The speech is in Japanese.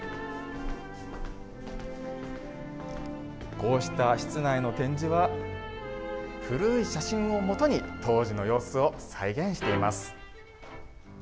こうした室内の展示は古い写真をもとに当時の様子を再現しています。